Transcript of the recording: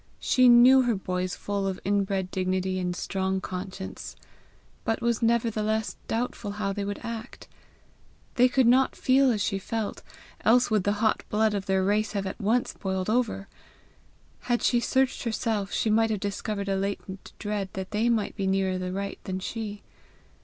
She knew her boys full of inbred dignity and strong conscience, but was nevertheless doubtful how they would act. They could not feel as she felt, else would the hot blood of their race have at once boiled over! Had she searched herself she might have discovered a latent dread that they might be nearer the right than she.